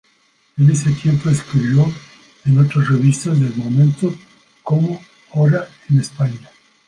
En ese tiempo escribió en otras revistas del momento como "Hora en España".